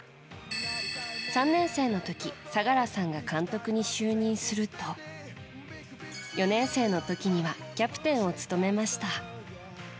３年生のとき、相良さんが監督に就任すると、４年生のときにはキャプテンを務めました。